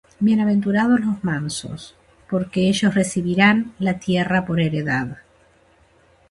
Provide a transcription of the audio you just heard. Bienaventurados los mansos: porque ellos recibirán la tierra por heredad.